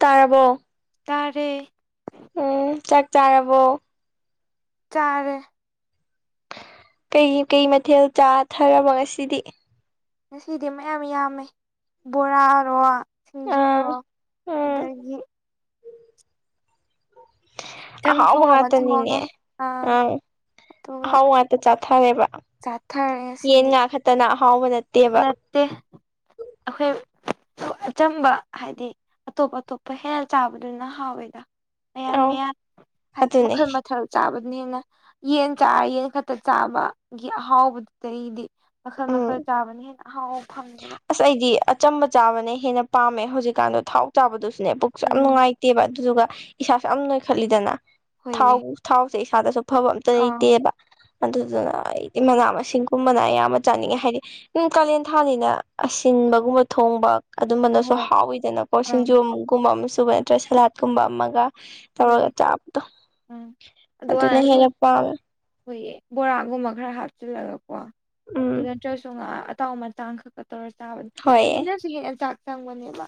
ꯇꯥꯔꯕꯣ ꯇꯔꯦ ꯎꯝ ꯆꯥꯛ ꯆꯥꯔꯕꯣ ꯆꯔ ꯀꯩ ꯀꯩ ꯃꯊꯦꯜ ꯆꯥꯊꯔꯕꯣ ꯉꯁꯤꯗꯤ ꯉꯁꯤꯗꯤ ꯃꯌꯥꯝ ꯌꯥꯝꯃꯦ ꯕꯣꯔꯥꯔꯣ ꯑꯥ ꯁꯤꯡꯖꯨꯔꯣ ꯎꯝ ꯑꯗꯒꯤ ꯍꯥꯎꯕ ꯆꯝꯊꯣꯡ ꯑꯃ ꯊꯣꯡꯉꯦ ꯃꯥꯇꯅꯤꯅꯦ ꯑꯥ ꯑ ꯍꯥꯎ ꯃꯥꯇ ꯆ ꯆꯥ ꯊꯔ ꯁꯤꯗꯤ ꯈꯛꯇꯅ ꯑꯍꯥꯎꯕ ꯅꯠꯇꯦꯕ ꯅꯠꯇꯦ ꯑꯩꯈꯣꯏ ꯑꯆꯝꯕ ꯍꯥꯏꯗꯤ ꯑꯇꯣꯞ ꯑꯇꯣꯞꯄ ꯍꯦꯟꯅ ꯆꯥꯕꯗꯨꯅ ꯍꯥꯎꯋꯦꯗ ꯃꯌꯥꯟ ꯑꯧ ꯃꯌꯥꯟ ꯍꯥꯏꯗꯤ ꯑꯗꯨꯅꯦ ꯃꯈꯜ ꯃꯊꯦꯜ ꯆꯥꯕꯗ ꯑꯗꯨꯅ ꯍꯦꯟꯅ ꯌꯦꯟ ꯆꯥꯔ ꯌꯦꯟ ꯈꯛꯇ ꯆꯥꯕꯒꯤ ꯑꯍꯥꯎꯕꯗꯨꯗꯤ ꯃꯈꯥ ꯎꯝ ꯃꯈꯥ ꯍ ꯑꯁ ꯑꯩꯗꯤ ꯑꯆꯝꯕ ꯆꯥꯕꯅ ꯍꯦꯟꯅ ꯄꯥꯝꯃꯦ ꯍꯧꯖꯤꯛꯀꯥꯟꯗꯣ ꯊꯥꯎ ꯆꯥꯕꯗꯨꯁꯨ ꯄꯨꯛꯁꯨ ꯌꯥꯝ ꯎꯝ ꯅꯨꯡꯉꯥꯏꯇꯦꯕ ꯑꯗꯨꯗꯨꯒ ꯏꯁꯥꯁꯨ ꯌꯥꯝ ꯅꯣꯏꯈꯠꯂꯤꯗꯅ ꯍꯣꯏꯌꯦ ꯊꯥꯎ ꯏꯁꯥꯗꯁꯨ ꯐꯕ ꯑꯝꯇ ꯑꯥ ꯂꯩꯇꯦꯕ ꯑꯗꯨꯗꯨꯅ ꯑꯩꯗꯤ ꯃꯅꯥ ꯃꯁꯤꯡꯒꯨꯝꯕꯅ ꯑꯌꯥꯝꯕ ꯆꯥꯅꯤꯡꯉꯦ ꯍꯥꯏꯗꯤ ꯀꯥꯂꯦꯟ ꯊꯥꯅꯤꯅ ꯑꯁꯤꯟꯕꯒꯨꯝꯕ ꯊꯣꯡꯕ ꯑꯗꯨꯝꯕꯅꯁꯨ ꯍꯣꯏ ꯍꯥꯎꯋꯤꯗꯅꯀꯣ ꯑꯥ ꯁꯤꯡꯖꯣꯝꯒꯨꯝꯕ ꯑꯃꯁꯨ ꯑꯗꯨꯨ ꯅꯗ꯭ꯔ ꯁꯂꯥꯠꯀꯨꯝꯕ ꯑꯃꯒ ꯍꯣꯏꯌꯦ ꯇꯧꯔꯒ ꯆꯥꯕꯗꯣ ꯎꯝ ꯑꯗꯨꯅ ꯑꯗꯨꯀꯥꯟꯗ ꯁꯨꯝ ꯍꯦꯟꯅ ꯄꯥꯝꯃꯦ ꯑꯩꯈꯣꯏꯒꯤ ꯕꯣꯔꯥꯒꯨꯝꯕ ꯈꯔ ꯍꯥꯞꯆꯤꯜꯂꯒꯀꯣ ꯎꯝ ꯑꯗꯨꯗ ꯅꯠꯇ꯭ꯔꯁꯨ ꯉꯥ ꯑꯇꯥꯎ ꯃꯆꯥꯡ ꯈꯛ ꯍꯣꯏꯌꯦ [unintelligible]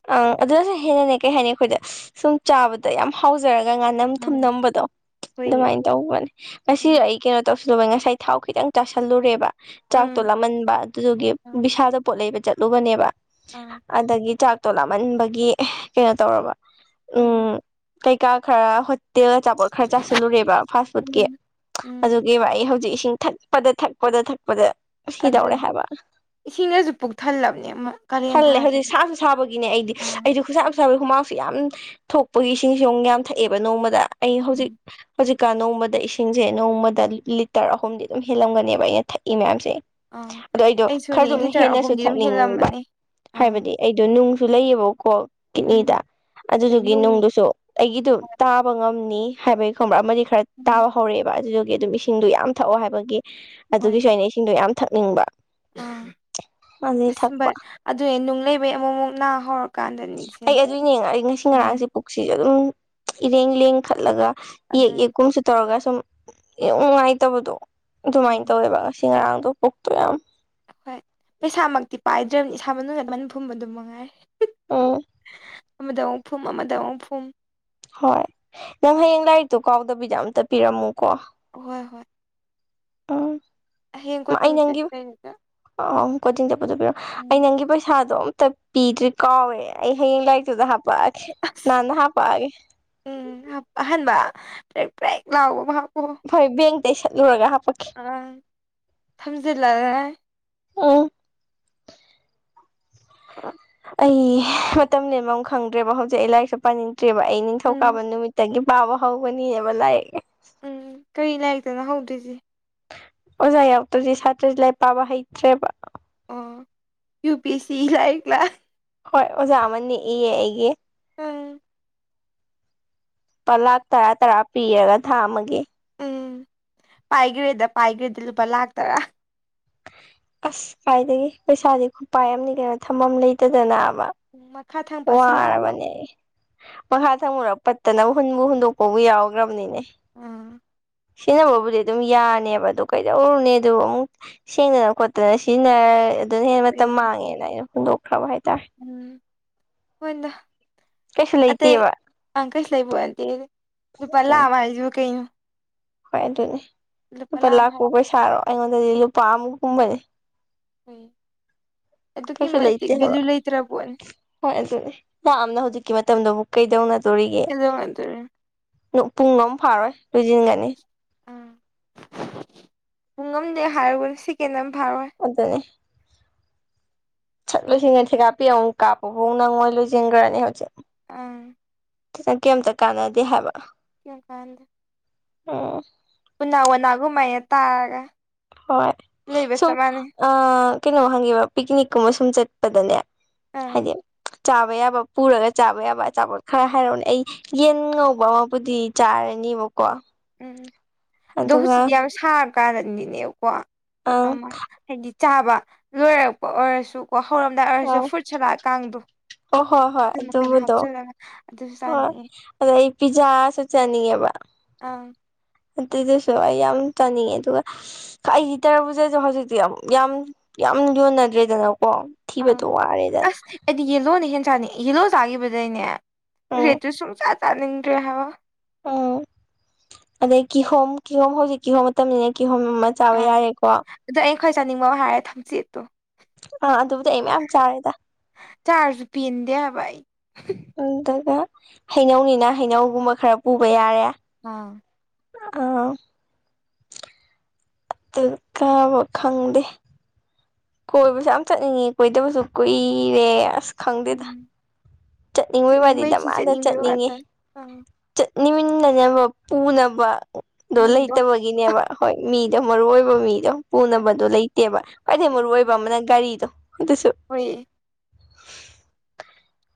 ꯑꯪ ꯑꯗꯨꯅꯁꯨ ꯍꯦꯟꯅꯅꯦ ꯀꯩ ꯍꯥꯏꯅꯤ ꯑꯩꯈꯣꯏꯗ ꯁꯨꯝ ꯆꯥꯕꯗ ꯌꯥꯝ ꯍꯥꯎꯖꯔꯒꯦ ꯉꯥꯅꯝ ꯊꯨꯝꯝꯕꯗꯣ ꯑꯩꯈꯣꯏꯒꯤ ꯑꯗꯨꯃꯥꯏꯅ ꯇꯧꯕꯅꯦ ꯉꯁꯨ ꯎꯝ ꯑꯩ ꯀꯩꯅꯣ ꯇꯧꯁ ꯂꯣꯏ ꯉꯁꯥꯏ ꯊꯥꯎ ꯈꯤꯇꯪ ꯆꯥꯥꯁꯜꯂꯨꯔꯦꯕ ꯆꯥꯛꯇꯣ ꯎꯝ ꯂꯃꯟꯕ ꯑꯗꯨꯗꯨꯒꯤ ꯕꯤꯁꯥꯗ ꯄꯣꯠ ꯂꯩꯕ ꯆꯠꯂꯨꯕꯅꯦꯕ ꯑꯥ ꯑꯗꯒꯤ ꯆꯥꯛꯇꯣ ꯂꯥꯞꯃꯟꯕꯒꯤ ꯀꯩꯅꯣ ꯇꯧꯔꯕ ꯎꯝ ꯀꯩꯀꯥ ꯈꯔ ꯍ ꯇꯦꯜ ꯑꯆꯥꯄꯣꯠ ꯈꯔ ꯆꯥꯁꯤꯜꯂꯨꯔꯦꯕ ꯐꯥꯁ ꯐꯨꯗꯀꯤ ꯎꯝ ꯎꯝ ꯑꯗꯨꯒꯤꯕ ꯑꯩ ꯍꯧꯖꯤꯛ ꯏꯁꯤꯡ ꯊꯛꯄꯗ ꯊꯛꯄꯗ ꯊꯛꯄꯗ ꯑꯗꯨ ꯁꯤꯗꯧꯔꯦ ꯍꯥꯏꯕ ꯏꯁꯤꯡꯗꯁꯨ ꯄꯨꯛꯊꯜꯂꯕꯅꯦ ꯀꯥꯂꯦꯟ ꯊꯜꯂꯦ ꯍꯧꯖꯤꯛ ꯊꯥꯁꯤꯗꯤ ꯁꯥꯁꯨ ꯁꯥꯕꯒꯤꯅꯦ ꯑꯩꯗꯤ ꯑꯥ ꯑꯩꯗꯤ ꯈꯨꯠꯁꯥꯁꯥꯕꯒꯤ ꯍꯨꯃꯥꯡꯁꯨ ꯌꯥꯝ ꯊꯣꯛꯄꯒꯤ ꯏꯁꯤꯡꯁꯨ ꯑꯃꯨꯛ ꯌꯥꯝ ꯊꯛꯑꯦꯕ ꯅꯣꯡꯃꯗ ꯑꯩ ꯍꯧꯖꯤꯛ ꯎꯝ ꯍꯧꯖꯤꯛ ꯀ ꯅꯣꯡꯃꯗ ꯏꯁꯤꯡꯁꯦ ꯅꯣꯡꯃꯗ ꯂꯤꯇꯔ ꯑꯍꯨꯝꯗꯤ ꯑꯗꯨꯝ ꯍꯦꯜꯂꯝꯒꯅꯦꯕ ꯑꯩꯅ ꯊꯛꯏ ꯃꯌꯥꯝꯁꯦ ꯑꯥ ꯑꯗꯨ ꯑꯩꯗꯣ ꯈꯔ ꯑꯩꯁꯨꯅꯦ ꯑꯗꯨꯝ ꯂꯤꯇꯔ ꯍꯦꯟꯅꯁꯨ ꯑꯍꯨꯝꯗꯤ ꯑꯗꯨꯝ ꯊꯛꯅꯤꯡꯅꯤꯡꯕ ꯍꯦꯜꯂꯝꯃꯅꯤ ꯑꯥ ꯍꯥꯏꯕꯗꯤ ꯑꯩꯗꯣ ꯅꯨꯡꯁꯨ ꯂꯩꯌꯦꯕꯀꯣ ꯎꯝ ꯀꯤꯠꯅꯤꯗ ꯍꯣꯏ ꯑꯗꯨꯗꯨꯒꯤ ꯅꯨꯡ ꯅꯨꯡꯗꯨꯁꯨ ꯑꯩꯒꯤꯗꯨ ꯇꯥꯕ ꯉꯝꯅꯤ ꯍꯥꯏꯕꯒꯤ ꯈꯪꯕ꯭ꯔꯥ ꯑꯃꯗꯤ ꯈꯔ ꯎꯝ ꯇꯥꯕ ꯍꯧꯔꯛꯑꯦꯕ ꯑꯗꯨꯗꯨꯒꯤ ꯑꯗꯨꯝ ꯏꯁꯤꯡꯗꯣ ꯌꯥꯝ ꯊꯛꯑꯣ ꯍꯥꯏꯕꯒꯤ ꯑꯗꯨꯒꯤꯁꯨ ꯑꯩꯅ ꯏꯁꯤꯡꯗꯣ ꯌꯥꯝ ꯊꯛꯅꯤꯡꯕ ꯎ ꯑꯗꯨꯗꯩ ꯑꯁ ꯊꯛꯄ ꯚꯔꯦ ꯑꯗꯨ ꯅꯨꯡ ꯂꯩꯕꯩ ꯑꯃꯨꯛ ꯑꯃꯨꯛ ꯅꯥ ꯍꯧꯔꯀꯥꯟꯗꯅꯤꯁꯦ ꯑꯩ ꯑꯗꯨ ꯌꯦꯡꯉ ꯑꯩ ꯉꯁꯤ ꯑꯥ ꯉꯔꯥꯡꯁꯦ ꯄꯨꯣꯛꯁꯤ ꯑꯗꯨꯝ ꯏꯔꯦꯡ ꯂꯦꯡ ꯈꯠꯂꯒ ꯌꯦꯛ ꯑꯗꯨꯅ ꯌꯦꯛ ꯀꯨꯝꯁꯨ ꯇꯧꯔꯒ ꯁꯨꯝ ꯅꯨꯡꯉꯥꯏꯇꯕꯗꯣ ꯎꯝ ꯑꯗꯨꯃꯥꯏꯅ ꯇꯧꯋꯦꯕ ꯉꯁꯤ ꯉꯔꯥꯡꯗꯣ ꯄꯨꯛꯇꯣ ꯌꯥꯝ ꯊꯥꯕꯅ ꯂꯃꯥꯏꯅ ꯐꯨꯝꯕ ꯑꯗꯨꯝ ꯃꯉꯥꯏ ꯎ ꯑꯃꯗ ꯑꯃꯨꯛ ꯐꯨꯝ ꯑꯃꯗ ꯑꯃꯨꯛ ꯐꯨꯝ ꯍꯣꯏ ꯅꯪ ꯍꯌꯦꯡ ꯂꯥꯏꯔꯤꯛꯇꯣ ꯀꯥꯎꯗꯕꯤꯗ ꯑꯝꯇ ꯄꯤꯔꯝꯃꯨꯀꯣ ꯍꯣꯏ ꯍꯣꯏ ꯎꯝ ꯍꯌꯦꯡ ꯑꯩ ꯀꯣꯆꯤꯡ ꯅꯪꯒꯤ ꯆꯠꯄꯩꯗꯨꯗ ꯑ ꯀꯣꯆꯤꯡꯗ ꯄꯨꯊꯣꯛꯄꯤꯔꯣ ꯎꯝ ꯑꯩ ꯅꯪꯒꯤ ꯄꯩꯁꯥꯗꯣ ꯇ ꯄꯤꯗ꯭ꯔꯤ ꯀꯥꯎꯋꯦ ꯑꯩ ꯍꯌꯦꯡ ꯂꯥꯏꯔꯤꯛꯇꯨꯗ ꯍꯥꯄꯛꯑꯒꯦ ꯑꯁ ꯅꯍꯥꯟꯅ ꯍꯥꯄꯛꯑꯒꯦ ꯎꯝ ꯑꯍꯥꯟꯕ ꯄ꯭ꯔꯦꯛ ꯄ꯭ꯔꯦꯛ ꯂꯥꯎꯕ ꯐꯣꯏ ꯕꯦꯡꯇ ꯆꯠꯂꯨꯔꯒ ꯍꯥ ꯑꯥ ꯊꯝꯖꯤꯜꯂꯦ ꯎꯝ [unintelligible] ꯑꯩ ꯃꯇꯝ ꯂꯦꯝꯕ ꯈꯪꯗ꯭ꯔꯦꯕ ꯍꯧꯖꯤꯛ ꯑꯩ ꯂꯥꯏꯔꯤꯛꯁꯨ ꯄꯥꯅꯤꯡ ꯅꯠꯇ꯭ꯔꯦꯕ ꯑꯩ ꯎꯝ ꯅꯤꯡꯊꯧꯀꯥꯕ ꯅꯨꯃꯤꯠꯇꯒꯤ ꯄꯥꯕ ꯍꯧꯒꯅꯤꯕ ꯂꯥꯏꯔꯤꯛꯑ ꯎꯝ ꯀꯔꯤ ꯂꯩꯅꯥꯏꯔꯤꯛꯇꯅ ꯍꯧꯗꯣꯏꯁ ꯑꯣꯖ ꯌꯥꯎꯇꯗꯤ ꯁꯥꯇ꯭ꯔꯁꯤꯂꯥꯏ ꯄꯥꯕ ꯍꯩꯇ꯭ꯔꯦꯕ ꯌꯨ ꯄ ꯁꯤ ꯂ ꯀ ꯀ꯭ꯂ ꯀ꯭ꯂꯥꯁ ꯍꯣꯏ ꯑꯣꯖꯥ ꯑꯃꯅꯤ ꯏꯌꯦ ꯑꯩꯒꯤ ꯎꯝ ꯄꯂꯥꯛ ꯇꯔꯥ ꯇꯔꯥ ꯄꯤꯔꯒ ꯊꯥꯝꯃꯒꯦ ꯎꯝ ꯄꯥꯏꯈ꯭ꯔꯦꯗ ꯄꯥꯏꯈ꯭ꯔꯦꯗ ꯂꯨꯄꯥ ꯂꯥꯛ ꯇꯔꯥ ꯑꯁ ꯀꯥꯏꯗꯒꯤ ꯄꯩꯁꯥꯗꯤ ꯈꯨꯄꯥꯏ ꯑꯃꯅꯤ ꯀꯩꯅꯣ ꯊꯝꯐꯝꯝ ꯂꯩꯇꯗꯅ [unintelligible] ꯄꯥꯁꯤꯜꯂꯛꯑꯕ ꯋꯥꯔꯕꯅꯤ ꯃꯈꯥ ꯊꯪꯃꯨꯔ ꯄꯠꯇꯅꯕ ꯍꯨꯟꯕꯨ ꯍꯨꯟꯗꯣꯛꯄꯕꯨ ꯌꯥꯎꯈ꯭ꯔꯕꯅꯤꯅꯦ ꯑꯥ ꯁꯤꯖꯤꯟꯅꯕꯕꯨꯗꯤ ꯑꯗꯨꯝ ꯌꯥꯅꯦꯕ ꯑꯗꯨ ꯀꯩꯗꯧꯔꯨꯅꯦ ꯑꯗꯨ ꯑꯃꯨꯛ ꯁꯦꯡꯗꯅ ꯈꯣꯠꯇꯅ ꯁꯤꯖꯤꯟꯅꯔ ꯑꯗꯨꯅ ꯍꯦꯟꯅ ꯃꯇꯝ ꯍꯣꯏꯅꯦ ꯃꯥꯡꯉꯦꯅ ꯑꯩꯅ ꯍꯨꯟꯗꯣꯛꯈ꯭ꯔꯕ ꯍꯥꯏꯇꯥꯔꯦ ꯄꯗ ꯀꯩꯁꯨ ꯑꯇꯩ ꯂꯩꯇꯦꯕ ꯑꯪꯀꯁ ꯂꯩꯕꯗꯦ ꯂꯨꯄꯥ ꯑꯗꯨꯅꯤ ꯂꯥꯛꯑꯕ ꯍꯥꯏꯁꯤꯕ ꯀꯩꯅꯣ ꯍꯣꯏ ꯑꯗꯨꯅꯦ ꯂꯨꯄꯥ ꯂꯥꯛꯄꯥꯎ ꯄꯩꯁꯥꯔꯣ ꯑꯩꯉꯣꯟꯗꯗꯤ ꯂꯨꯄꯥ ꯑꯃꯨ ꯀꯨꯝꯕꯅꯦ ꯍꯣꯏ ꯀꯩꯁꯨ ꯂꯩꯇꯦ ꯍꯥꯏꯕ ꯍꯣꯏ ꯑꯗꯨ ꯌꯥꯝ ꯌꯥꯝꯅ ꯍꯧꯖꯤꯛꯀꯤ ꯣꯕꯨꯛ ꯀꯩꯗꯧꯅ ꯍꯗꯗꯔꯦ ꯄꯨꯡ ꯑꯝꯛ ꯐꯥꯔꯣꯏ ꯂꯣꯏꯁꯤꯟꯒꯅꯤ ꯑꯥ ꯄꯨꯡ ꯉꯝꯗꯦ ꯍꯥꯏꯔꯒꯅ ꯁꯦꯀꯦꯟ ꯑꯃ ꯐꯥꯔꯣꯏ ꯑꯗꯨꯗꯅꯦ ꯁꯛ ꯂꯣꯏꯁꯤꯟꯉ ꯊꯦꯀꯥꯄꯤ ꯑꯃꯨꯛ ꯀꯥꯞꯄꯐꯥꯎ ꯅꯪ ꯃꯣꯏ ꯂꯣꯏꯁꯤꯟꯈ꯭ꯔꯅꯤ ꯍꯧꯖꯤꯛ ꯑꯥ ꯅ ꯀꯩꯝꯇ ꯀꯥꯟꯅꯗꯦ ꯍꯥꯏꯕ ꯏ ꯀꯥꯟꯗ ꯑ ꯎꯅꯥ ꯎꯅꯥꯒꯨꯝ ꯃꯅ ꯇꯥꯔꯒ ꯍꯣꯏ ꯂꯩꯕ ꯁꯨꯝ ꯆꯞ ꯃꯥꯟꯅꯩ ꯀꯩꯅꯣꯝ ꯍꯪꯉꯦꯕ ꯄꯤꯛꯅꯤꯛꯀꯨꯝꯕ ꯁꯨꯝ ꯆꯠꯄꯗꯅꯦ ꯑꯪ ꯍꯕꯣ ꯆꯥꯕ ꯌꯥꯕ ꯄꯨꯔꯒ ꯆꯥꯕ ꯌꯥꯕ ꯑꯆꯥꯄꯣꯠ ꯈꯔ ꯍꯥꯏꯔꯛꯅꯦ ꯑꯩ ꯌꯦꯟ ꯉꯧꯕ ꯑꯃꯕꯨꯗꯤ ꯆꯥꯔꯅꯤꯕ ꯎꯝ ꯑꯗꯣ ꯍꯧꯖꯤꯗꯤ ꯌꯥꯝ ꯁꯥꯟ ꯀꯥꯗꯗꯤꯅꯦꯕꯀꯣ ꯑꯪ ꯑꯃ ꯍꯥꯏꯗꯤ ꯆꯥꯕ ꯂꯣꯏꯔꯛꯄ ꯑꯣꯏꯔꯁꯨ ꯀꯣ ꯍꯧꯔꯝꯗꯥꯏ ꯑꯣꯏꯔꯁꯨ ꯑꯪ ꯐꯨꯠ ꯁꯥꯂꯑ ꯀꯥꯡꯗꯣ ꯑꯣ ꯍꯣꯏ ꯍꯣꯏ ꯃꯈꯜ ꯃꯈꯜ ꯑꯗꯨꯝꯕꯗꯣ ꯍꯥꯞꯆꯤꯜꯂꯒ ꯑꯗꯨꯁꯨ ꯍꯣꯏ ꯆꯥꯅꯤꯡꯉꯤ ꯑꯗ ꯑꯩ ꯄꯤꯖꯥꯁꯨ ꯆꯥꯅꯤꯡꯉꯦꯕ ꯑꯪ ꯑꯗꯨꯗꯁꯨ ꯑꯩ ꯌꯥꯝ ꯆꯥꯅꯤꯡꯉꯦ ꯑꯗꯨꯒ ꯑꯩꯒꯤ ꯇꯔꯕꯨꯗꯁꯨ ꯍꯧꯖꯤꯛꯇꯤ ꯌꯥꯝ ꯌꯥꯝ ꯌꯥꯝ ꯌꯣꯟꯅꯗ꯭ꯔꯦꯗꯅ ꯑ ꯑꯁ ꯑꯗꯨꯗꯤ ꯌꯦꯂꯣꯅꯦ ꯍ ꯆꯥꯅꯤ ꯍꯤꯜꯂꯣ ꯆꯥꯈꯤꯕꯗꯩꯅꯦ ꯎꯝ ꯔꯦꯇꯨ ꯁꯨꯡꯆꯥꯥ ꯆꯥꯅꯤꯡꯗ꯭ꯔꯦ ꯍꯥꯏꯕ ꯎꯝ ꯑꯗꯩ ꯀꯤꯍꯣꯝ ꯀꯤꯍꯣꯝ ꯍꯧꯖꯤꯛ ꯀꯤꯍꯣꯝ ꯃꯇꯝꯅꯤꯅ ꯀꯤꯍꯣꯝ ꯑꯃ ꯆꯥꯕ ꯌꯥꯏꯦꯀꯣ ꯈꯩ ꯆꯥꯅꯤꯡꯕ ꯍꯥꯏꯔꯦ ꯊꯝꯆꯦꯠꯇꯣ ꯑꯥ ꯑꯗꯨꯕꯨꯗꯤ ꯑꯩ ꯃꯌꯥꯝ ꯆꯥꯔꯦꯗ ꯆꯥꯖ ꯄꯤꯟꯗꯚꯥꯏ [unintelligible] ꯑꯗꯨꯒ ꯍꯩꯅꯧꯅꯤꯅ ꯍꯩꯅꯧꯒꯨꯝꯕ ꯈꯔ ꯄꯨꯕ ꯌꯥꯔꯦ ꯑꯥ ꯑ ꯑꯗꯨ ꯀꯥꯕ ꯈꯪꯗꯦ ꯀꯣꯏꯕꯁꯨ ꯌꯥꯝ ꯆꯠꯅꯤꯡꯉꯦ ꯀꯣꯏꯗꯕꯁꯨ ꯀꯨꯏꯔꯦ ꯑꯁ ꯈꯪꯗꯦꯗ ꯎꯝ ꯆꯠꯅꯤꯡꯕꯩ ꯋꯥꯗꯤꯗ ꯊꯤ ꯃꯥꯥꯟꯅ ꯆꯠꯅꯤꯡꯕꯩ ꯆꯠꯅꯤꯡꯉꯦ ꯋꯥꯇꯅꯤ ꯑꯥ ꯅꯤꯃꯤꯟꯅꯅꯕ ꯄꯨꯅꯕꯗꯣ ꯃꯤꯗꯣ ꯂꯩꯇꯕꯒꯤꯅꯦꯕ ꯍꯣꯏ ꯃꯤꯗꯣ ꯃꯔꯨ ꯑꯣꯏꯕ ꯃꯤꯗꯣ ꯄꯨꯅꯕꯗꯣ ꯂꯩꯇꯦꯕ ꯈ꯭ꯋꯥꯏꯗꯒꯤꯩ ꯃꯔꯨ ꯑꯣꯏꯏꯕ ꯑꯃꯅ ꯒꯥꯔꯤꯗꯣ ꯑꯗꯨꯁꯨ ꯍꯣꯏ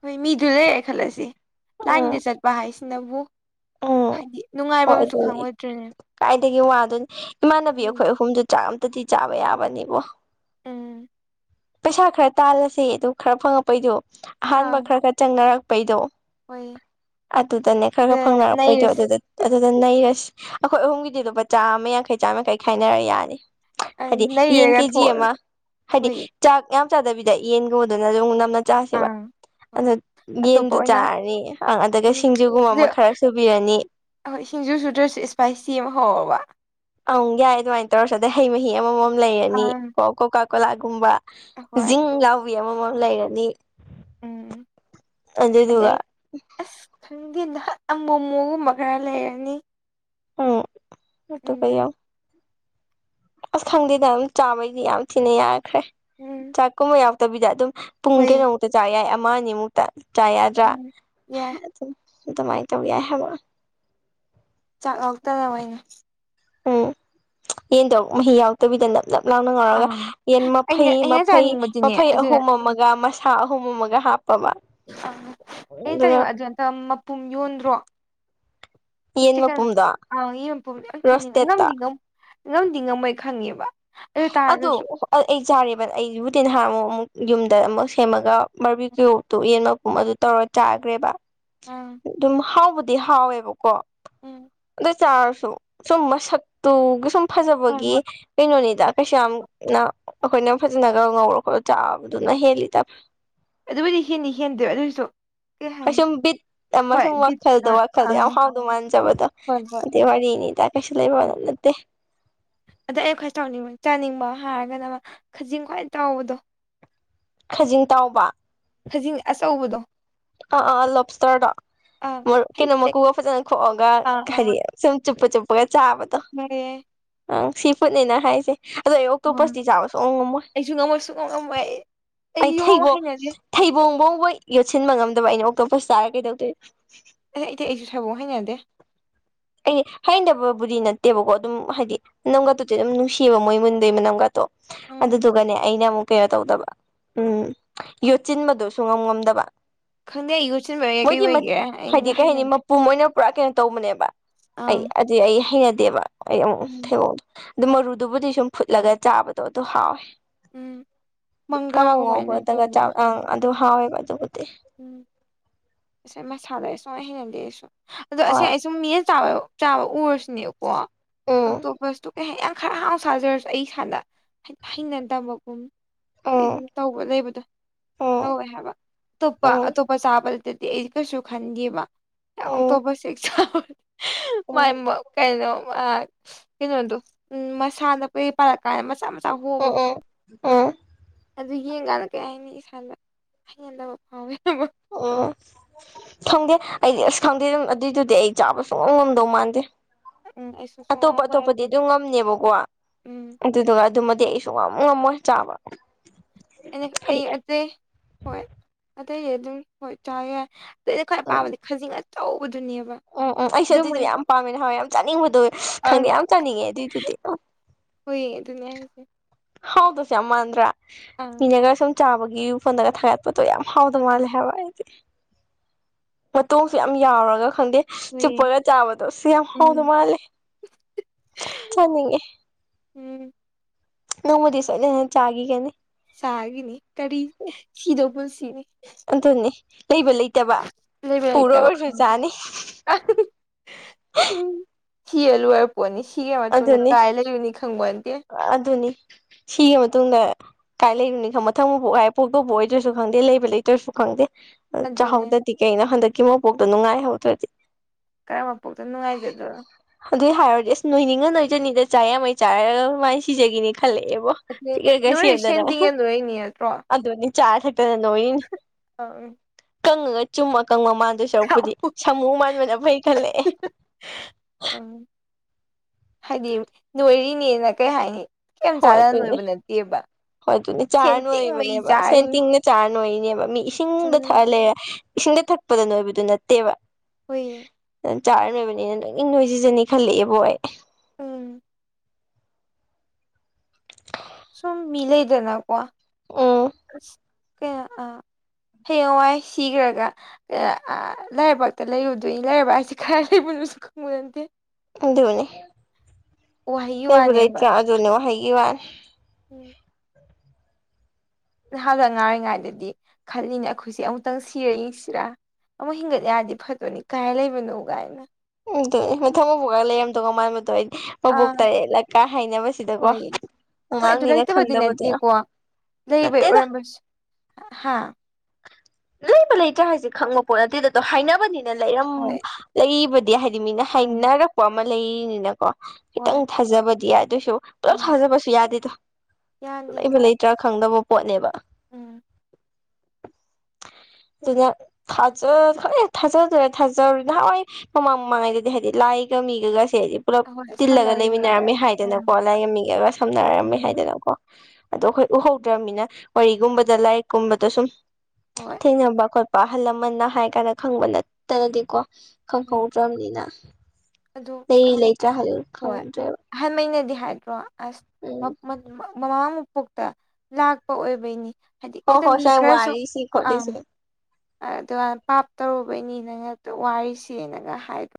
ꯍꯣꯏ ꯃꯤꯗꯨ ꯂꯩꯔꯦ ꯈꯜꯂꯁꯤ ꯎꯝ ꯂꯥꯏꯟꯗ ꯆꯠꯄ ꯍꯥꯏꯁꯤꯅꯕꯨ ꯎꯝ ꯎ ꯍꯥꯏꯗꯤ ꯅꯨꯡꯉꯥꯏꯕ ꯍꯣꯏ ꯑꯃꯁꯨ ꯑꯗꯨꯅꯤ ꯈꯪꯉꯣꯏꯗ꯭ꯔꯤꯅꯦ ꯀꯥꯏꯗꯒꯤ ꯋꯥꯗꯣꯏꯅꯤ ꯏꯃꯥꯟꯅꯕꯤ ꯎꯝ ꯑꯩꯈꯣꯏ ꯑꯍꯨꯝꯗꯨ ꯆꯥꯝ ꯗꯤꯤ ꯆꯥꯋꯦ ꯑꯋꯥꯅꯤꯕꯨꯣ ꯎꯝ ꯄꯩꯁꯥ ꯈꯔ ꯇꯥꯜꯂꯁꯦ ꯑꯗꯨ ꯈꯔ ꯐꯪꯉꯛꯄꯩꯗꯣ ꯑꯍꯥꯟꯕ ꯑꯥ ꯈꯔ ꯈꯔ ꯆꯪꯅꯔꯛꯄꯩꯗꯣ ꯍꯣꯏ ꯑꯗꯨꯗꯅꯦ ꯈꯔ ꯑꯗꯨꯗ ꯈꯔ ꯐꯪꯅꯔꯛꯄꯩꯗꯣ ꯅꯩꯔꯁꯤ ꯑꯗꯨꯗ ꯑꯗꯨꯗ ꯅꯩꯔꯁꯤ ꯑꯩꯈꯣꯏ ꯑꯍꯨꯝꯒꯤꯗꯤ ꯂꯨꯄꯥ ꯆꯥꯝꯃ ꯌꯥꯡꯈꯩ ꯆꯥꯝ ꯌꯥꯡꯈꯩ ꯈꯥꯏꯅꯔ ꯌꯥꯅꯤ ꯑꯪ ꯍꯥꯏꯗꯤ ꯌꯦꯟ ꯅꯩꯔꯒ ꯀꯦꯖꯤ ꯊꯣꯛ ꯑꯃ ꯍꯥꯏꯗꯤ ꯍꯣꯏ ꯆꯥꯛ ꯌꯥꯝ ꯆꯥꯗꯕꯤꯗ ꯌꯦꯟꯒꯨꯝꯕꯗꯨꯅ ꯑꯗꯨꯝ ꯅꯝꯅ ꯆꯥꯁꯦꯕ ꯑꯥ ꯑ ꯍꯣꯏ ꯑꯇꯣꯞꯄ ꯌꯦꯟꯗꯨ ꯑꯣꯏꯅ ꯆꯥꯔꯅꯤꯪ ꯑꯗꯨꯒ ꯁꯤꯡꯖꯨꯒꯨꯝꯕ ꯑꯃ ꯈꯔ ꯁꯨꯕꯤꯔꯅꯤ ꯑꯣꯏ ꯁꯤꯡꯖꯨ ꯁꯨꯗ꯭ꯔꯁꯨ ꯏꯁꯄꯥꯏꯁꯤ ꯑꯃ ꯍꯧꯔꯕ ꯑꯪ ꯌꯥꯏ ꯑꯗꯨꯃꯥꯏꯅ ꯇꯧꯔꯁꯨ ꯑꯗꯩ ꯍꯩ ꯃꯍꯤ ꯑꯃꯃꯝ ꯂꯩꯔꯅꯤ ꯑꯪ ꯀꯣ ꯀꯣꯀꯥ ꯀꯣꯂꯥꯒꯨꯝꯕ ꯍꯣꯏ ꯖꯤꯡ ꯌꯥꯥꯎꯕꯤ ꯑꯃꯃꯝ ꯂꯩꯔꯅꯤ ꯎꯝ ꯑꯗꯨꯗꯗꯨꯒ ꯑꯗꯩ ꯑꯁ ꯈꯪꯗꯦ ꯅꯍꯠ ꯑꯃꯣ ꯑꯃꯨꯒꯨꯝꯕ ꯈꯔ ꯂꯩꯔꯅꯤ ꯎꯝ ꯑꯗꯨꯠꯇ ꯎꯝ ꯀꯎ ꯑꯁ ꯈꯪꯗꯦꯗ ꯑꯗꯨꯝ ꯆꯥꯕꯩꯗꯤ ꯌꯥꯝ ꯊꯤꯅ ꯌꯥꯈ꯭ꯔꯦ ꯎꯝ ꯆꯥꯛ ꯀꯨꯝꯕ ꯌꯥꯎꯗꯕꯤꯗ ꯑꯗꯨꯝ ꯄꯨꯡ ꯍꯣꯏ ꯀꯩꯅꯣꯃꯨꯛꯇ ꯆꯥ ꯌꯥꯏ ꯑꯃ ꯑꯅꯤꯃꯨꯛꯇ ꯆꯥ ꯌꯥꯗ꯭ꯔꯥ ꯎꯝ ꯌꯥꯏ ꯇꯃꯥꯏ ꯇꯧꯧꯕ ꯌꯥꯏ ꯍꯥꯏꯦꯕ ꯆꯥꯛꯂ ꯇ ꯇ ꯃꯅꯤ ꯎꯝ ꯌꯦꯟ ꯇꯣ ꯃꯍꯤ ꯌꯥꯎꯗꯕꯤꯗꯅ ꯂꯞ ꯂꯥꯡꯅ ꯉꯧꯔꯒ ꯑꯥ ꯌꯦꯟ ꯑꯩꯅ ꯃꯐꯩ ꯑꯩꯅ ꯃꯐꯩ ꯆꯥꯅꯤꯡꯕꯗꯤꯅꯦ ꯃꯐꯩ ꯑꯗꯨꯅ ꯑꯍꯨꯝ ꯑꯃꯒ ꯍ ꯍꯃꯣ ꯃꯒ ꯍꯥꯞ ꯑ ꯑꯩꯅ ꯆꯠꯅꯤꯡꯕ ꯑꯗꯨ ꯑꯝꯇ ꯃꯄꯨꯝ ꯌꯣꯟꯗ꯭ꯔꯣ ꯌꯦꯟ ꯆꯤꯀꯟ ꯃꯄꯨꯝꯗꯣ ꯑ ꯌꯦꯝꯄꯨꯝ ꯌꯥꯝ ꯆꯥꯅꯤꯡ ꯔꯣꯁꯇꯦꯠꯇ ꯉꯝꯗꯤ ꯉꯝ [inaudible] ꯉꯝꯗꯤ ꯉꯝꯃꯣꯏ ꯑꯩ ꯈꯪꯉꯦꯕ ꯑꯗꯨ ꯑꯩ ꯆꯥꯔꯦꯕ ꯑꯩꯕꯨꯗꯤ ꯅꯍꯥꯟꯃꯨꯛ ꯑꯃꯨꯛ ꯌꯨꯝꯗ ꯑꯃꯨꯛ ꯁꯦꯝꯃꯒ ꯕꯔꯕꯨꯀꯌ꯭ꯨ ꯇꯨ ꯌꯦꯟ ꯃꯄꯨꯝ ꯑꯗꯨ ꯇꯧꯔ ꯆꯥꯒꯔ꯭ꯦ ꯕ ꯑꯥ ꯑꯗꯨꯝ ꯍꯥꯎꯕꯨꯗꯤ ꯍꯥꯎꯋꯦꯕꯀꯣ ꯎꯝ ꯆꯥꯥꯔꯁꯨ ꯁꯨꯝ ꯃꯁꯛꯇꯨꯒꯤ ꯁꯨꯝ ꯍꯣꯏ ꯐꯖꯕꯒꯤ ꯍꯣꯏ ꯀꯩꯅꯣꯅꯦ ꯀꯩꯁꯨꯥ ꯌꯥꯝꯅ ꯑꯩꯈꯣꯏꯅ ꯐꯖꯅꯒ ꯉꯧꯔꯣ ꯈꯣꯠꯂꯣ ꯆꯥꯕꯗꯨꯅ ꯍꯦꯜꯂꯤ ꯇ ꯑꯗꯨꯕꯨꯗꯤ ꯍꯦꯟꯅꯤ ꯍꯦꯟꯗ ꯑꯗꯨꯑꯣꯏꯁꯨ [inaudible] ꯑꯁꯨꯝ ꯕꯤꯠ ꯑꯃ ꯁꯨꯝ ꯋꯥꯈꯜꯗꯣ ꯑꯥ ꯋꯥꯈꯜꯗꯣ ꯑꯥ ꯌꯥꯝ ꯍꯥꯎꯗꯧ ꯃꯥꯟꯖꯕꯗꯣ ꯍꯣꯏ ꯍꯣꯏ ꯑꯗꯨꯏ ꯋꯥꯔꯤꯅꯤ ꯇꯀꯁꯨ ꯂꯩꯕ ꯋꯥ ꯎꯝ ꯅꯠꯇꯦ [inaudible] ꯑꯗ ꯑꯩ ꯈ꯭ꯋꯥꯏ ꯆꯥꯎꯅꯤꯡꯕ ꯆꯥꯅꯤꯡꯕ ꯍꯥꯏꯔꯒꯅ ꯑꯃ ꯈꯖꯤꯡ ꯈ꯭ꯋꯥꯏ ꯆꯥꯎꯕꯗꯣ ꯈꯖꯤꯡ ꯇꯥꯎꯕ ꯈꯖꯤꯡ ꯑꯆꯧꯕꯗꯣ ꯑꯥ ꯑꯥ ꯂꯣꯞꯁꯇꯔꯗꯣ ꯑꯥ ꯃꯔꯨ ꯀꯩꯅꯣ ꯍꯥꯏꯗꯤ ꯃꯀꯨꯒ ꯐꯖꯅ ꯈꯣꯛꯑꯒ ꯑꯥ ꯍꯥꯏꯗꯤ ꯑꯥ ꯁꯨꯝ ꯆꯨꯞꯄ ꯆꯨꯞꯄꯒ ꯆꯥꯕꯗꯣ ꯑꯪ ꯁꯤ ꯐꯨꯠꯅꯤꯅ ꯍꯥꯏꯁꯦ ꯑꯗꯣ ꯑꯩ ꯎꯝ ꯑꯣꯛꯇꯣꯄꯁꯇꯤ ꯆꯥꯕ ꯁꯨꯛꯉꯝ ꯉꯝꯃꯣꯏ ꯑꯩꯁꯨ ꯉꯝꯃꯣꯏ ꯁꯨꯡꯉꯝ ꯉꯝꯃꯣꯏ ꯑꯩ ꯌꯨꯉꯝ ꯊꯩꯕꯣꯡ ꯍꯩꯅꯗꯦ ꯊꯩꯕꯣꯡ ꯕꯣꯡꯕꯥꯎ ꯌꯣꯠꯁꯤꯟꯕ ꯉꯝꯗꯕ ꯑꯩꯅ ꯑꯣꯛꯇꯣꯄꯁ ꯆꯥꯔ ꯀꯩꯗꯧꯗꯣꯏꯟ ꯑꯦ ꯏꯊꯦ ꯑꯩꯁꯨ ꯊꯩꯕꯣꯡ ꯍꯥꯏꯅꯗꯦ ꯑꯩꯗꯤ ꯍꯩꯅꯗꯕꯕꯨꯗꯤ ꯅꯠꯇꯦꯕꯀꯣ ꯑꯗꯨꯝ ꯍꯥꯏꯗꯤ ꯃꯅꯝꯒꯥꯇꯨꯗꯤ ꯑꯗꯨꯝ ꯅꯨꯡꯁꯤꯑꯕ ꯃꯣꯏ ꯃꯨꯟꯕꯩ ꯃꯅꯝꯒꯥꯠꯇꯣ ꯎꯝ ꯑꯗꯨꯗꯨꯒꯅꯦ ꯑꯩꯅ ꯑꯃꯨꯛ ꯀꯩꯅꯣ ꯇꯧꯗꯕ ꯎꯝ ꯌꯣꯠꯆꯤꯟꯕꯗꯨ ꯁꯨꯨꯛꯉꯝ ꯉꯝꯗꯕ ꯈꯪꯗꯦ ꯑꯩ ꯌꯣꯠꯁꯤꯟꯕꯩꯔ ꯀꯩ ꯃꯣꯏꯗꯤ ꯃꯠ ꯑꯣꯏꯒꯦ ꯑꯩ ꯍꯥꯏꯗꯤ ꯀꯩ ꯍꯩꯅ ꯍꯥꯏꯅꯤ ꯃꯄꯨꯝ ꯑꯣꯏꯅ ꯄꯨꯔꯥ ꯀꯩꯅꯣ ꯇꯧꯕꯅꯦꯕ ꯑꯩ ꯑꯪ ꯑꯗꯨꯗꯤ ꯑꯩ ꯍꯩꯅꯗꯦꯕ ꯑꯩ ꯑꯃꯨꯛ ꯎꯝ ꯊꯕꯣꯡꯗꯨ ꯑꯗꯨ ꯃꯔꯨꯗꯨꯕꯨꯗꯤ ꯁꯨꯝ ꯐꯨꯠꯂꯒ ꯆꯥꯕꯗꯣ ꯑꯗꯨ ꯍꯥꯎꯋꯦ ꯎꯝ ꯀꯪꯉꯧ ꯃꯪꯒ꯭ꯔꯥꯒꯃꯥꯏꯅ ꯉꯧꯕꯗꯒ ꯆꯥꯕ ꯇꯧꯕꯅꯦ ꯑꯪ ꯑꯗꯨꯝ ꯍꯥꯎꯋꯦꯕ ꯑꯗꯨꯕꯨꯗ ꯎꯝ ꯑꯁ ꯃꯁꯥꯗ ꯁꯨꯛꯍꯩ ꯍꯩꯅꯗꯦ ꯑꯩꯁꯨ ꯑꯗꯣ ꯑꯁꯦꯡ ꯍꯣꯏ ꯑꯩ ꯁꯨꯝ ꯃꯤ [unintelligible] ꯆꯥꯕ ꯆꯥꯕ ꯎꯔꯁꯨꯅꯦꯀꯣ ꯎꯝ ꯑꯣꯛꯇꯣꯕꯁꯇꯨ ꯀꯩ ꯍꯥꯌꯅꯤ ꯌꯥꯝ ꯈꯔ ꯍꯥꯎ ꯁꯥꯖꯔꯁꯨ ꯑꯩ ꯏꯁꯥꯗ ꯍꯩ ꯍꯩꯅꯗꯕꯒꯨꯝ ꯎꯝ ꯀꯩꯒꯨꯝ ꯇꯧꯕ ꯂꯩꯕꯗꯣ ꯎꯝ ꯇꯧꯋꯦ ꯍꯥꯏꯕ ꯑꯇꯣꯞꯄ ꯎꯝ ꯑꯇꯣꯞꯄ ꯆꯥꯕꯗ ꯇꯗꯤ ꯑꯩ ꯀꯩꯁꯨ ꯈꯟꯗꯦꯕ ꯎꯝ ꯑꯣꯛꯇꯣꯄꯁ ꯁꯦ ꯍꯦꯛ ꯆꯥꯕ ꯎꯝ ꯃꯥꯏꯃꯣꯛ ꯀꯩꯍꯥꯏꯅꯣ ꯑꯥ ꯀꯩꯅꯣꯗꯨ ꯎꯝ ꯃꯁꯥꯗ ꯀꯩ ꯄꯛ ꯀꯥꯏ ꯃꯆꯥ ꯃꯆꯥ ꯍꯣꯕ ꯑ ꯑꯗꯨ ꯌꯦꯡꯒꯥꯟꯗ ꯀꯩ ꯍꯥꯏꯅꯤ ꯏꯁꯥꯗ ꯍꯦꯟꯗꯕ ꯐꯥꯎꯋꯦ ꯍꯥꯏꯕ ꯑꯣ ꯊꯪꯗꯦ ꯑꯩꯗꯤ ꯑꯁ ꯈꯪꯗꯦ ꯑꯗꯨꯝ ꯑꯗꯨꯏꯗꯨꯗꯤ ꯑꯩ ꯆꯥꯕ ꯁꯨꯡꯉꯝ ꯉꯝꯗꯧ ꯃꯥꯟꯗꯦ ꯎꯝ ꯑꯩꯁꯨ ꯑꯇꯣꯞꯄ ꯁꯨꯡꯉꯝ ꯑꯇꯣꯞꯄꯗꯤ ꯑꯗꯨꯝ ꯉꯝꯅꯦꯕꯀꯣ ꯎꯝ ꯑꯗꯨꯗꯨꯒ ꯑꯗꯨꯝ ꯗꯤ ꯑꯩ ꯁꯨꯛꯉꯝ ꯉꯝꯃꯣꯏ ꯆꯥꯕ ꯍꯥꯏꯗꯤ ꯑꯩ ꯑꯇꯩ ꯍꯣꯏ ꯑꯇꯩꯗꯤ ꯑꯗꯨꯝ ꯍꯣꯏ ꯆꯥ ꯌꯥꯏ ꯑꯩꯅ ꯈ꯭ꯋꯥꯏ ꯎꯝ ꯄꯥꯝꯕꯗꯤ ꯈꯖꯤꯡ ꯑꯆꯧꯕ ꯎꯝ ꯎꯝ ꯑꯩꯁꯨ ꯑꯗꯨꯏꯗꯨ ꯌꯥꯝ ꯄꯥꯝꯃꯦ ꯅꯍꯥꯟꯋꯥꯏ ꯌꯥꯝ ꯆꯥꯅꯤꯡꯕꯗꯣ ꯈꯪꯗꯦ ꯌꯥꯝ ꯆꯥꯅꯤꯡꯉꯦ ꯑꯗꯨꯏꯗꯨꯗꯤ ꯎ ꯍꯣꯏꯌꯦ ꯑꯗꯨ ꯍꯥꯎꯗꯧꯁꯨ ꯌꯥꯝ ꯃꯥꯟꯗ꯭ꯔꯥ ꯑꯪ ꯃꯤꯅꯒ ꯁꯨꯝ ꯆꯥꯕꯒꯤ ꯐꯣꯟꯗꯒ ꯊꯥꯒꯠ ꯄꯣꯠꯇꯣ ꯌꯥꯝ ꯍꯥꯎꯗꯧ ꯑꯪ ꯃꯥꯜꯂꯦ ꯍꯥꯏꯕ ꯑꯩꯗꯤ ꯃꯇꯣꯡꯁꯨ ꯌꯥꯝ ꯌꯥꯎꯔꯒ ꯈꯟꯗꯦ ꯍꯨꯏꯌꯦ ꯆꯨꯞꯄꯒ ꯆꯥꯕꯗꯣ ꯑꯁ ꯌꯥꯝ ꯎꯝ ꯍꯥꯎꯗꯧ ꯃꯥꯜꯂꯦ ꯆꯅꯤꯡꯉꯦ ꯎꯝ ꯅꯣꯡꯃꯗꯤ ꯁꯣꯏꯗꯅ ꯆꯥꯒꯤꯒꯅꯤ ꯆꯥꯒꯤꯅꯤ ꯀꯔꯤ ꯁꯤꯗꯧ ꯄꯨꯟꯁꯤꯅꯤ ꯑꯗꯨꯅꯤ ꯂꯩꯕ ꯂꯩꯇꯕ ꯂꯩꯕ ꯄꯨꯔ ꯂꯩꯇꯕ ꯑꯣꯏꯔꯁꯨ ꯈꯪꯗꯦ ꯆꯥꯅꯤ ꯑꯥ ꯍꯨꯡ ꯍꯨꯡ ꯎꯝ ꯁꯤ ꯑꯂꯨꯔ ꯄꯅꯤꯁꯤ ꯑꯗꯨꯅꯤ ꯑꯗꯨꯅꯤ ꯁꯤꯒꯤ ꯃꯇꯨꯡꯗ ꯀꯥꯏ ꯂꯩꯔꯨꯅꯤ ꯈꯪ ꯃꯊꯪ ꯃ ꯄꯣꯛꯀꯥꯏ ꯄꯣꯛꯇꯧꯕꯕꯨ ꯑꯣꯏꯗ꯭ꯔꯁꯨ ꯈꯪꯗꯦ ꯂꯩꯕ ꯂꯩꯇ꯭ꯔꯁꯨ ꯈꯪꯗꯦ ꯑꯗꯨꯅꯦ ꯆꯥꯛꯍꯧꯗ꯭ꯔꯗꯤ ꯀꯩꯅꯣ ꯍꯟꯗꯛꯀꯤ ꯃꯣꯄꯣꯛꯇꯣ ꯅꯨꯡꯉꯥꯏꯍꯧꯗ꯭ꯔꯗꯤ ꯀꯔꯝꯕ ꯄꯣꯛꯇ ꯅꯨꯡꯉꯥꯏꯖꯗ꯭ꯔꯣ ꯅꯤꯡꯉ ꯑꯣꯏꯣꯏꯖꯅꯤꯗ ꯆꯥ ꯌꯥꯝꯃꯩ ꯆꯥꯔ ꯃꯥꯏꯅ ꯁꯤꯖꯈꯤꯅꯤ ꯈꯜꯂꯛꯑꯦꯕꯣ ꯑꯗꯨ ꯐꯤꯛꯒꯔꯒ ꯅꯣꯏ ꯁꯦꯟ ꯁꯦꯝꯗꯅ ꯇꯤꯡꯉ ꯅꯣꯏꯔꯤꯅꯤ ꯅꯠꯇ꯭ꯔꯣ ꯑꯗꯨꯅꯤ ꯆꯥ ꯊꯛꯛꯇꯗ ꯅꯣꯏꯅꯤ ꯑꯪ ꯀꯪꯉꯒ ꯆꯨꯝꯃꯛ ꯀ ꯃꯃꯥꯟꯗ ꯁꯔꯨꯛꯄꯨꯗꯤ ꯁꯥꯃꯨ ꯃꯥꯟꯕꯅ ꯐꯩ ꯈꯜꯂꯛꯑꯦ ꯑꯪ ꯍꯥꯏꯗꯤ ꯅꯣꯏꯔꯤꯅꯦꯅ ꯀꯩ ꯍꯥꯏꯅꯤ ꯀ ꯍꯣꯏ ꯆꯥꯟꯅꯅ ꯑꯗꯨꯅꯤ ꯅꯣꯏꯕ ꯅꯠꯇꯦꯕ ꯍꯣꯏ ꯑꯗꯨꯗꯤ ꯆꯥꯔ ꯁꯦꯟ ꯇꯤꯡꯕꯩ ꯅꯣꯏꯔꯤꯕꯅꯦꯕ ꯁꯦꯟ ꯆꯥꯔꯤꯅꯤ ꯇꯤꯡꯅ ꯆꯥꯔ ꯅꯣꯏꯔꯤꯅꯦꯕ ꯃꯤ ꯏꯁꯤꯡꯗ ꯎꯝ ꯊꯛꯍꯜꯂꯦ ꯏꯁꯤꯡꯗ ꯊꯛꯄꯗ ꯅꯣꯏꯕꯗꯨ ꯅꯠꯇꯦꯕ ꯍꯣꯏ ꯑꯗꯨꯅ ꯆꯥꯔ ꯂꯣꯏꯕꯅꯤꯅ ꯑꯗꯨꯪ ꯏꯪ ꯅꯣꯏ ꯁꯤꯖꯅꯤ ꯈꯜꯂꯛꯑꯦꯕ ꯍ ꯎꯝ ꯁꯨꯝ ꯃꯤꯂꯩꯗꯅꯀꯣ ꯎꯝ ꯀꯦ ꯑ ꯍꯌꯦꯡꯋꯥꯏ ꯁꯤꯈ꯭ꯔꯒ ꯂꯥꯏꯔꯕꯥꯛꯇ ꯂꯩꯔꯨꯗꯣꯏꯅꯤ ꯂꯥꯏꯔꯔꯕꯥꯛꯁꯤ ꯈꯔ ꯂꯩꯕ ꯉꯗꯦ ꯑꯗꯨꯣꯅꯤ ꯋꯥꯍꯩꯒꯤ ꯂꯩ ꯄꯨꯔ ꯏ ꯋꯥꯅꯦꯕ ꯆꯖꯅꯤ ꯋꯥꯍꯤꯒꯤ ꯋꯥꯔ ꯎꯝ ꯅꯍꯥꯟꯅ ꯉꯥꯡꯔꯤꯉꯥꯏꯗꯗꯤ ꯈꯜꯂꯤꯅ ꯑꯩꯈꯣꯏꯁꯦ ꯑꯃꯨꯛꯇꯪ ꯁꯤꯔ ꯌꯦꯡꯁꯤꯔ ꯑꯃꯨꯛ ꯍꯤꯡꯒꯠ ꯌꯥꯔꯗꯤ ꯐꯠꯇꯣꯏꯅꯤ ꯀꯥꯏ ꯂꯩꯕꯅꯣ ꯀꯥꯏꯅ ꯎꯝ ꯃ ꯊꯪ ꯃ ꯄꯨꯒ ꯂꯩꯔꯝꯗꯧꯒ ꯃꯥꯟꯕꯗꯣ ꯑꯩ ꯃꯕꯣꯛ ꯑꯥ ꯇꯔꯦꯠꯂꯀ ꯍꯥꯏꯅꯕꯁꯤꯗꯀꯣ ꯍꯣꯏ ꯍꯣꯏ ꯑꯗꯨ ꯑꯃꯥꯡꯅꯤꯅ ꯂꯩꯇꯕꯗꯤ ꯈꯪꯗꯕꯗꯨ ꯅꯠꯇꯦꯀꯣ ꯂꯩꯕꯩ ꯑꯣꯏꯔꯝꯕꯁꯨ ꯍꯥ ꯂꯩꯕ ꯂꯩꯇ꯭ꯔꯥ ꯍꯥꯏꯁꯦ ꯈꯪꯕ ꯄꯣꯠ ꯅꯠꯇꯦꯗ ꯑꯗꯨꯣ ꯍꯥꯏꯅꯕꯅꯤꯅ ꯂꯩꯔ ꯍꯣꯏ ꯂꯩꯕꯗꯤ ꯍꯥꯏ ꯍꯥꯏꯗꯤ ꯃꯤꯅ ꯑꯪ ꯍꯥꯏꯅꯔꯛꯄ ꯑꯃ ꯂꯩꯔꯤꯅꯤꯅꯀꯣ ꯍꯣꯏ ꯈꯤꯇꯪ ꯊꯥꯖꯕꯗꯤ ꯌꯥꯗꯦ ꯑꯗꯨꯏꯁꯨ ꯄꯨꯂꯞ ꯎꯝ ꯊꯥꯖꯕꯁꯨ ꯌꯥꯗꯦꯗꯣ ꯌꯥꯗꯦꯗ ꯂꯩꯕ ꯂꯩꯇ꯭ꯔꯥ ꯈꯪꯗꯕ ꯄꯣꯠꯅꯦꯕ ꯎꯝ ꯑꯗꯨꯅ ꯊꯥꯖ ꯈ ꯊꯥꯖꯗ꯭ꯔꯦ ꯊꯥꯖ ꯅꯍꯥꯟꯋꯥꯏ ꯃꯃꯥꯡ ꯃꯃꯥꯡꯉꯩ ꯑꯗꯨꯗꯤ ꯍꯥꯏꯗꯤ ꯂꯥꯏꯒ ꯃꯤꯒ ꯁꯦꯗꯤ ꯄꯨꯜꯂꯞ ꯑꯍꯣꯏ ꯇꯤꯜꯂꯒ ꯁꯝꯅꯔꯤꯉꯩꯗ ꯂꯩꯃꯤꯟꯅꯔꯝꯃꯦ ꯍꯥꯏꯗꯅꯀꯣ ꯑꯪ ꯂꯥꯏꯡꯝꯃꯤꯉꯒ ꯁꯝꯅꯔꯝꯃꯦ ꯎꯝ ꯍꯥꯏꯗꯅꯀꯣ ꯑꯗꯣ ꯑꯩꯈꯣꯏ ꯎꯍꯧꯗ꯭ꯔꯅꯤꯅ ꯋꯥꯔꯤꯒꯨꯝꯕꯗ ꯂꯥꯏꯔꯤꯛꯀꯨꯝꯕꯗ ꯁꯨꯝ ꯍꯣꯏ ꯊꯦꯡꯅꯕ ꯈꯣꯠꯄ ꯑꯍꯜ ꯂꯃꯟꯅ ꯍꯥꯏ ꯀꯥꯟꯅ ꯈꯪꯕ ꯅꯠꯇꯅꯗꯤꯀꯣ ꯈꯪꯍꯧ ꯎꯝ ꯌꯥ ꯑꯗꯨ ꯈꯪ ꯂꯩ ꯂꯩ ꯆ ꯍꯜꯂ ꯍꯣꯏ ꯈꯔꯗꯦꯕ ꯑꯍꯥꯟꯕꯩꯅꯗꯤ ꯍꯥꯏꯗ꯭ꯔꯣ ꯑꯁ ꯃꯃꯥ ꯃꯄꯣꯛꯇ ꯂꯥꯛꯄ ꯑꯣꯏꯕꯩꯅꯤ ꯍꯥꯏꯗꯤ ꯍꯣꯏ ꯈꯤꯇꯪ ꯍꯣꯏ ꯃꯤ ꯁꯥꯏ ꯈꯔꯁꯨ ꯋꯥꯔꯤꯁꯤ ꯑꯥ ꯈꯣꯠꯂꯤꯁꯦ ꯑꯗꯨꯒ ꯄꯥꯞ ꯇꯧꯔꯨꯕꯩꯅꯤꯅꯪ ꯋꯥꯔꯤꯁꯤꯅꯒ ꯍꯥꯏꯕ